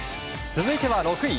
続いては６位。